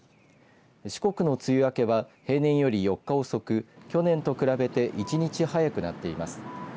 四国の梅雨明けは平年より４日遅く去年と比べて１日早くなっています。